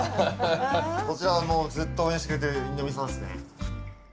こちらはもうずっと応援してくれている印南さんっすね。